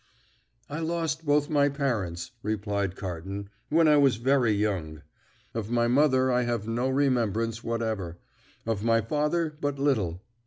"I lost both my parents," replied Carton, "when I was very young. Of my mother I have no remembrance whatever; of my father, but little.